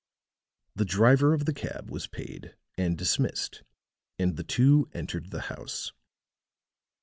The driver of the cab was paid and dismissed and the two entered the house.